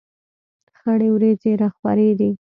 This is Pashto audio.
خړې ورېځې را خورې دي.